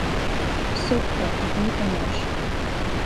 Бсықәтәа аҳәеит арашь.